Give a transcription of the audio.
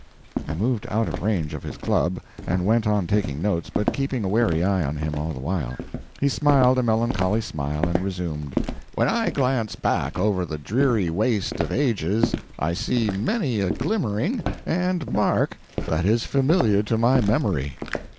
I moved out of range of his club, and went on taking notes, but keeping a wary eye on him all the while. He smiled a melancholy smile and resumed: "When I glance back over the dreary waste of ages, I see many a glimmering and mark that is familiar to my memory.